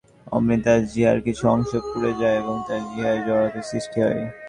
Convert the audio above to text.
অমনি তার জিহ্বার কিছু অংশ পুড়ে যায় ও তার জিহ্বায় জড়তার সৃষ্টি হয়।